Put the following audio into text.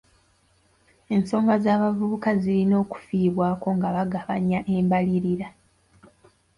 Ensonga z'abavubuka zirina okufiibwako nga bagabanya embalirira.